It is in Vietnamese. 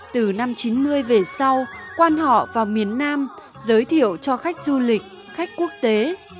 từ năm chín mươi về sau quan họ vào miền nam giới thiệu cho khách du lịch khách quốc tế